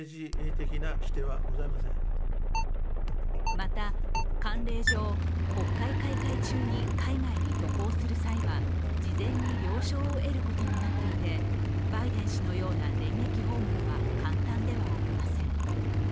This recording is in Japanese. また慣例上、国会開会中に海外に渡航する際は、事前に了承を得ることになっていてバイデン氏のような電撃訪問は簡単ではありません。